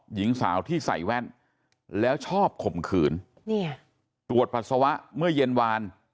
หญิงสาวที่ใส่แว่นแล้วชอบข่มขืนเนี่ยตรวจปัสสาวะเมื่อเย็นวาน